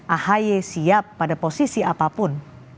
ahy siap pada posisi apapun